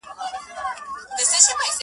هره ورځ به درلېږي سل رحمتونه!!